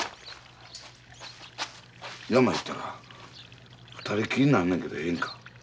山へ行ったら二人きりになんねんけどええんか？